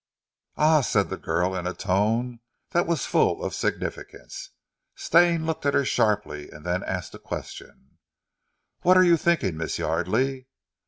"Ah!" said the girl in a tone that was full of significance. Stane looked at her sharply, and then asked a question: "What are you thinking, Miss Yardely?"